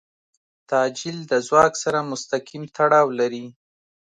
تعجیل د ځواک سره مستقیم تړاو لري.